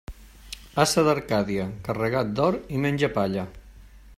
Ase d'Arcàdia, carregat d'or, i menja palla.